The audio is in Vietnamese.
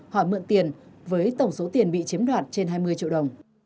họ mượn tiền với tổng số tiền bị chiếm đoạt trên hai mươi triệu đồng